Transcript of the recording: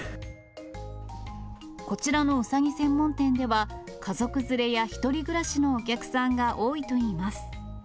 こちらのうさぎ専門店では、家族連れや１人暮らしのお客さんが多いといいます。